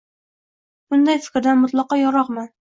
bunday fikrdan mutlaqo yiroqman.